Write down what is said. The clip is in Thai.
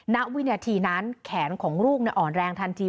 ณวินาทีนั้นแขนของลูกอ่อนแรงทันที